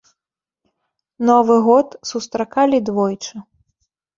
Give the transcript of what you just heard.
Новы год сустракалі двойчы.